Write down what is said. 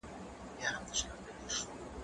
کېدای سي سپينکۍ نم وي،